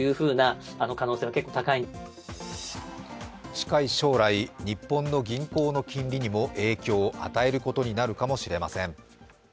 近い将来、日本の銀行の金利にも影響を与えることになるかもしれません。